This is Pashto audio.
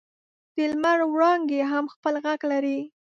د لمر وړانګې هم خپل ږغ لري.